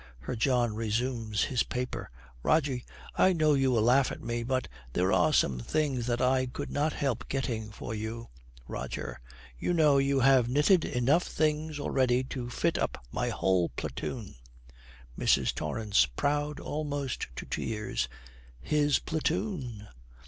Her John resumes his paper. 'Rogie, I know you will laugh at me, but there are some things that I could not help getting for you.' ROGER. 'You know, you have knitted enough things already to fit up my whole platoon.' MRS. TORRANCE, proud almost to tears, 'His platoon.'